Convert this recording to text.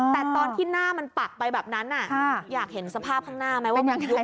แต่ตอนที่หน้ามันปักไปแบบนั้นอยากเห็นสภาพข้างหน้าไหมว่ายังไง